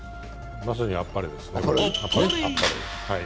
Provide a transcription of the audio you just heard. まさにあっぱれですね。